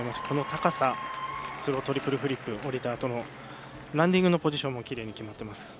この高さスロートリプルフリップランディングのポジションもうまく決まっています。